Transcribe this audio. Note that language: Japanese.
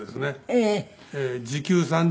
ええ。